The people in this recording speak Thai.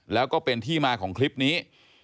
แล้วก็เป็นที่มาของคลิปนี้